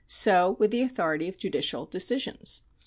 So with the authority of judicial decisions.